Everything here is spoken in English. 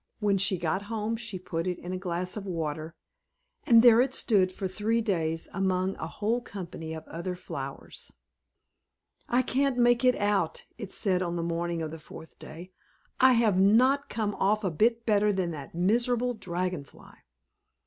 When she had got home she put it in a glass of water, and there it stood for three days among a whole company of other flowers. "I can't make it out," it said on the morning of the fourth day. "I have not come off a bit better than that miserable Dragon Fly."